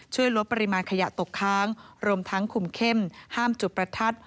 ช่วยลดปริมาณขยะตกค้างรวมทั้งคุมเข้มห้ามจุดประทัด